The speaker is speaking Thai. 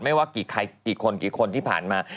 ไม่ว่ากี่คนกี่คนที่ผ่านมา